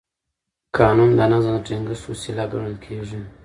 قانون د نظم د ټینګښت وسیله ګڼل کېږي.